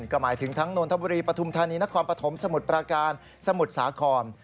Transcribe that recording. ก็หมายถึงทั้งนนทบุรีปฐุมธานีนครปฐมสมุทรประการสมุทรสาคร